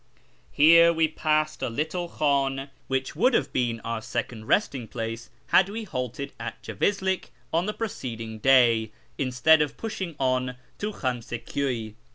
Here we passed a little hlUm, which would have been our second resting place had we halted at Jevizlik on the preceding day instead of pushing on to Khamse Kyliy.